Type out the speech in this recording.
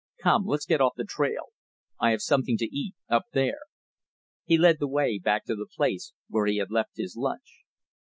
"Come, let's get off the trail. I have something to eat, up there." He led the way back to the place where he had left his lunch.